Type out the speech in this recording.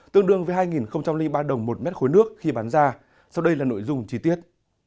tương đương với hai ba đồng một mét khối nước khi bán ra sau đây là nội dung chi tiết